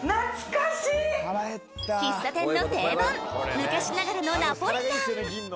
喫茶店の定番昔ながらのナポリタン